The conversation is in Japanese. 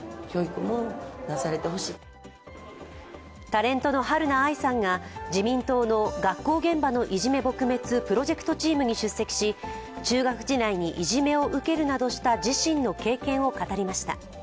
タレントのはるな愛さんが自民党の学校現場のいじめ撲滅プロジェクトチームに出席し中学時代にいじめを受けるなどした自身の経験を語りました。